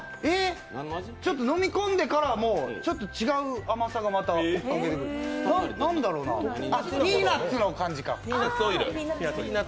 飲み込んでから、ちょっと違う甘さがまたあ、ピーナツの感じか。